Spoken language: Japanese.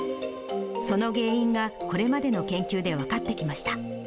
その原因が、これまでの研究で分かってきました。